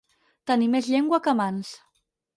Tenir més llengua que mans.